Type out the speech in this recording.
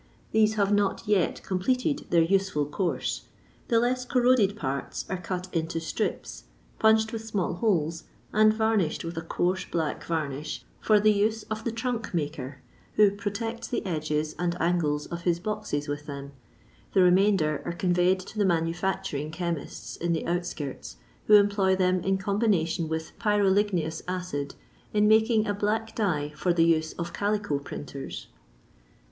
These have not yet completed their useful course ; the less corroded parts are cut into strips, punched with small holes, and varnished with a coarse black varnish for the use of the trunk maker, who protects the edges and angles of his boxes with them ,* the remainder are conveyed to the manufincturing chemists in the outskirts, who employ them in combination with pyroligneous acid, in making a black dye for the use of calico printers."